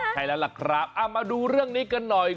ใช่แล้วล่ะครับมาดูเรื่องนี้กันหน่อย